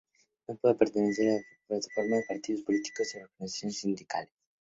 No pueden pertenecer a esta Plataforma ni partidos políticos ni organizaciones sindicales.